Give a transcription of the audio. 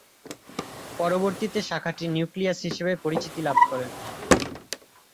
পরবর্তীতে শাখাটি ‘নিউক্লিয়াস’ হিসেবে পরিচিতি লাভ করে।